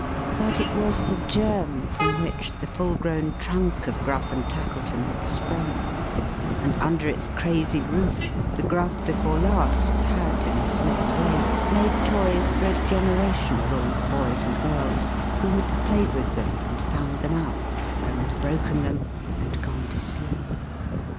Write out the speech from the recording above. But it was the germ from which the full grown trunk of Gruff and Tackleton had sprung; and under its crazy roof, the Gruff before last, had, in a small way, made toys for a generation of old boys and girls, who had played with them, and found them out, and broken them, and gone to sleep.